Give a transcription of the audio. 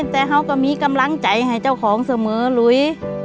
แต่เขาก็มีกำลังใจให้เจ้าของเสมอลุย